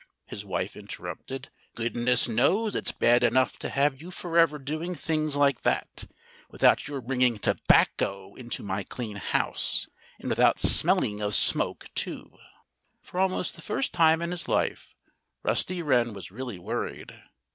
his wife interrupted. "Goodness knows it's bad enough to have you forever doing things like that without your bringing tobacco into my clean house and without smelling of smoke, too." For almost the first time in his life Rusty Wren was really worried.